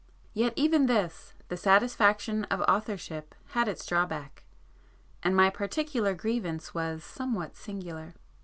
Yet even this, the satisfaction of authorship, had its drawback,—and my particular grievance was somewhat singular.